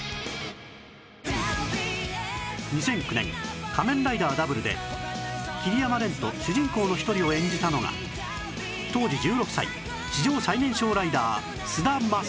２００９年『仮面ライダー Ｗ』で桐山漣と主人公の一人を演じたのが当時１６歳史上最年少ライダー菅田将暉